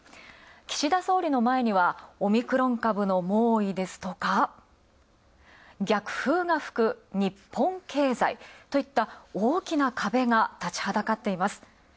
岸田総理の前には、オミクロン株の猛威ですとか逆風が吹く日本経済といった大きなカベが立ちはだかっています。